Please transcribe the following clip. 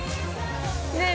ねえ